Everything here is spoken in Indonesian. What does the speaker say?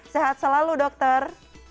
sehat selalu dokter